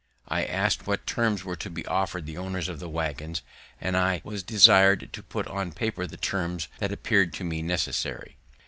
I ask'd what terms were to be offer'd the owners of the waggons, and I was desir'd to put on paper the terms that appeared to me necessary.